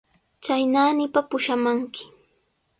Chay naanipa pushamanki.